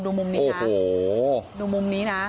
ดูมุมนี้นะ